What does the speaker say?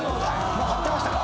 もう張ってましたか？